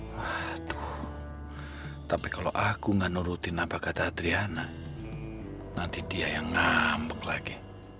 waduh tapi kalau aku nggak nurutin apa kata adriana nanti dia yang ngambek lagi